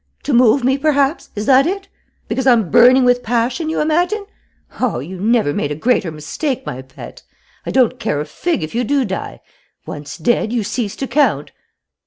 To move me, perhaps: is that it? Because I'm burning with passion, you imagine ? Oh, you never made a greater mistake, my pet! I don't care a fig if you do die. Once dead, you cease to count....